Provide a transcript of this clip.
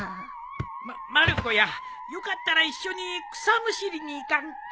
まっまる子やよかったら一緒に草むしりに行かんか？